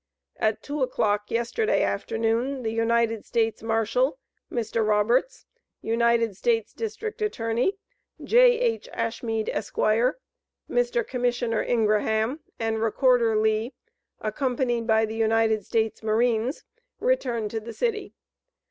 At two o'clock yesterday afternoon, the United States Marshal, Mr. Roberts, United States District Attorney, J.H. Ashmead, Esq., Mr. Commissioner Ingraham, and Recorder Lee, accompanied by the United States Marines, returned to the city.